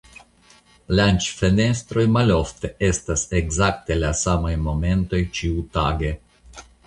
Lanĉfenestroj malofte estas ekzakte la samaj momentoj ĉiutage.